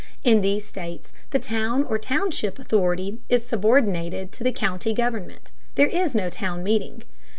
In these states the town or township authority is subordinated to the county government. There is no town meeting.